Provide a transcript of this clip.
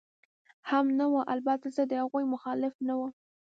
هم نه وه، البته زه د هغوی مخالف نه ووم.